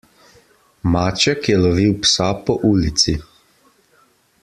Maček je lovil psa po ulici.